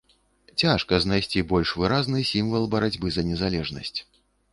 Цяжка знайсці больш выразны сімвал барацьбы за незалежнасць.